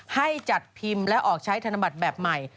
ให้จัดพิมพ์และออกใช้ธนบัตรแบบใหม่